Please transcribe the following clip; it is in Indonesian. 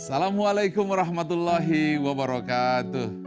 assalamualaikum warahmatullahi wabarakatuh